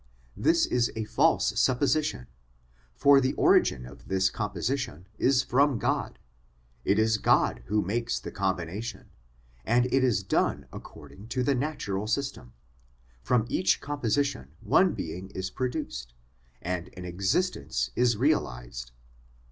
This is a false supposition, for the origin of this composition is from God ; it is God who makes the combination, and as it is done according to the natural system, from each composition one being is produced, and an existence is realised.